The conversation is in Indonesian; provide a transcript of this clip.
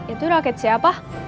itu raket siapa